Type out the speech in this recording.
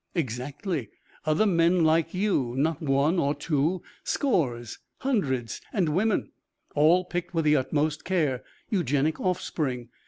"Exactly. Other men like you. Not one or two. Scores, hundreds. And women. All picked with the utmost care. Eugenic offspring.